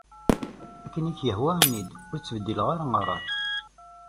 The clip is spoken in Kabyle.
Akken i k-yehwa ini-d, ur ttbeddileɣ ara rray.